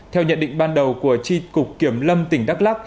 theo nhận định ban đầu của tri cục kiểm lâm tỉnh đắk lắc